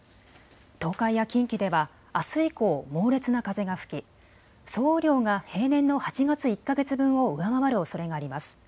東海や近畿ではあす以降、猛烈な風が吹き総雨量が平年の８月１か月分を上回るおそれがあります。